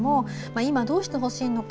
今、どうしてほしいのか。